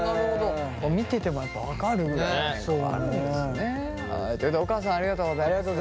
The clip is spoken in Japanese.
見ててもやっぱ分かるんだね。ということでお母さんありがとうございます。